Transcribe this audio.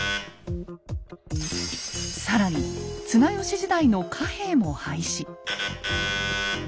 更に綱吉時代の貨幣も廃止。